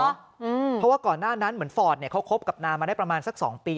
เพราะว่าก่อนหน้านั้นเหมือนฟอร์ดเนี่ยเขาคบกับนามาได้ประมาณสักสองปี